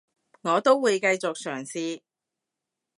我都會繼續嘗試